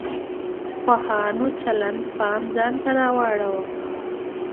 پوهانو چلند پام ځان ته واړاوه.